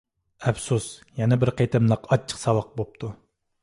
ئەپسۇس، يەنە بىر قېتىملىق ئاچچىق ساۋاق بوپتۇ.